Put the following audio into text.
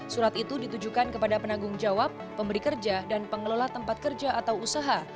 surat itu ditujukan kepada penanggung jawab pemberi kerja dan pengelola tempat kerja atau usaha